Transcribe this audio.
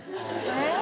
えっ？